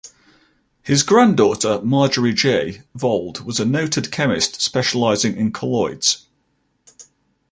His granddaughter Marjorie J. Vold was a noted chemist specializing in colloids.